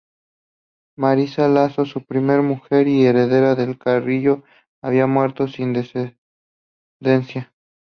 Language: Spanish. Marina Lasso, su primera mujer y heredera de los Carrillo, había muerto sin descendencia.